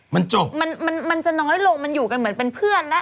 มันจบมันมันมันจะน้อยลงมันอยู่กันเหมือนเป็นเพื่อนนะ